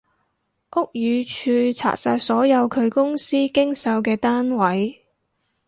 屋宇署查晒所有佢公司經手嘅單位